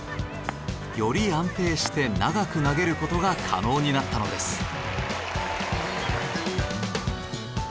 より安定して長く投げる事が可能になったのです。